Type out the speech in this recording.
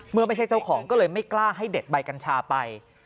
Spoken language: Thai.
ไม่ใช่เจ้าของก็เลยไม่กล้าให้เด็ดใบกัญชาไป